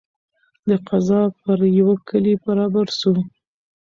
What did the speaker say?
له قضا پر یوه کلي برابر سو